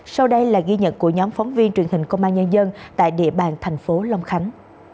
sau đây là ghi nhận của nhóm phóng viên truyền hình công an nhân dân tại địa bàn thành phố long khánh